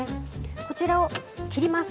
こちらを切ります。